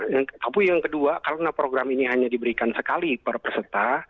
tapi yang kedua karena program ini hanya diberikan sekali para peserta